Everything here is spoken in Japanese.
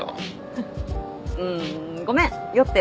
フフうんごめん酔ってる。